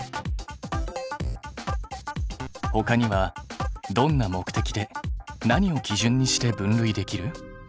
ほかにはどんな目的で何を基準にして分類できる？